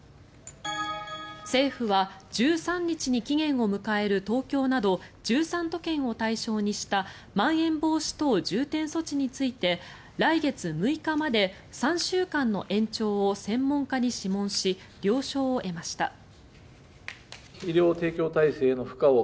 政府は１３日に期限を迎える東京など１３都県を対象にしたまん延防止等重点措置について来月６日まで３週間の延長を専門家に諮問し了承を得ました。